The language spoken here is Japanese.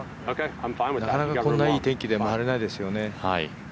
なかなかこんないい天気で回れないですよね。